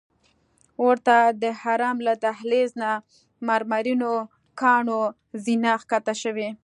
ورته د حرم له دهلیز نه مرمرینو کاڼو زینه ښکته شوې.